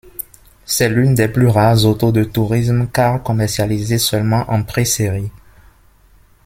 C'est l'une des plus rares autos de tourisme car commercialisée seulement en pré-série.